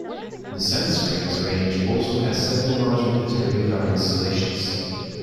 The Sand Springs Range also has several large military radar installations.